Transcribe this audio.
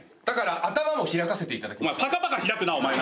だから頭も開かせていただきました。